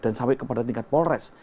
dan sampai kepada tingkat polres